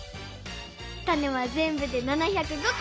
タネはぜんぶで７０５こ！